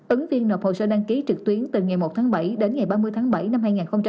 ứng viên nộp hồ sơ đăng ký trực tuyến từ ngày một tháng bảy đến ngày ba mươi tháng bảy năm hai nghìn hai mươi